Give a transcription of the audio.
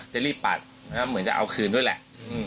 จะรีบปัดเหมือนจะเอาคืนด้วยแหละ